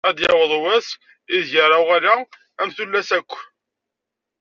Ad d-yaweḍ wass i deg ara uɣaleɣ am tullas akk.